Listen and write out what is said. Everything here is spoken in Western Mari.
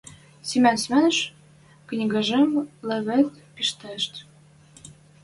Семен Семеныч книгӓжӹм левед пиштӹш.